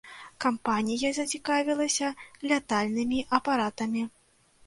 Кампанія зацікавілася лятальнымі апаратамі.